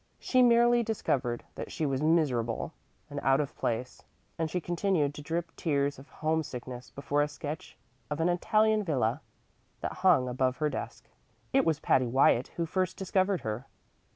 She merely discovered that she was miserable and out of place, and she continued to drip tears of homesickness before a sketch of an Italian villa that hung above her desk. It was Patty Wyatt who first discovered her.